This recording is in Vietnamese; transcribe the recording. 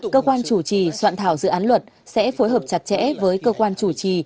cơ quan chủ trì soạn thảo dự án luật sẽ phối hợp chặt chẽ với cơ quan chủ trì